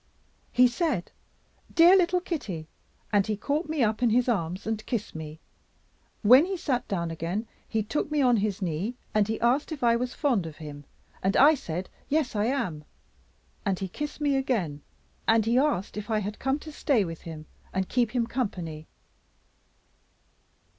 "He said, 'Dear little Kitty,' and he caught me up in his arms and kissed me. When he sat down again he took me on his knee, and he asked if I was fond of him, and I said, 'Yes, I am,' and he kissed me again, and he asked if I had come to stay with him and keep him company.